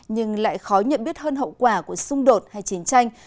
nhưng lại khó nhận biết hơn hậu quả của xung đột hay chiến tranh